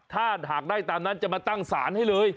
ถ้าหากได้ตามนั้นจะมาตั้งศาลให้เลย